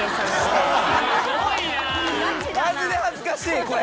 マジで恥ずかしいこれ。